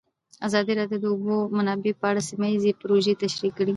ازادي راډیو د د اوبو منابع په اړه سیمه ییزې پروژې تشریح کړې.